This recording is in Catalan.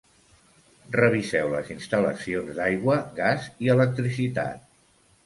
Reviseu les instal·lacions d'aigua, gas i electricitat.